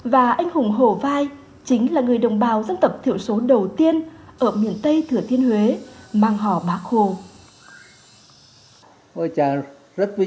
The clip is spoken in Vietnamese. và anh hùng hồ vai chính là người đồng bào dân tộc thiểu số đầu tiên ở miền tây thừa thiên huế mang hò bác hồ